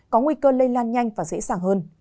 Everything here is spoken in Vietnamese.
có nguy cơ lây lan nhanh và dễ dàng hơn